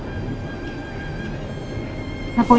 masa yang terbaik